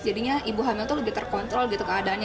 jadinya ibu hamil itu lebih terkontrol gitu keadaannya